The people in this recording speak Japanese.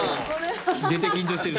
絶対緊張してる。